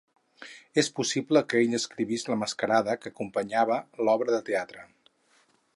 És possible que ell escrivís la mascarada que acompanyava l'obra de teatre.